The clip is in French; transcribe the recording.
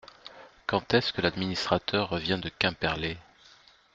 Quand est-ce que l’administrateur revient de Quimperlé ?